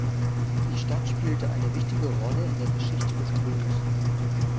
Die Stadt spielte eine wichtige Rolle in der Geschichte des Blues.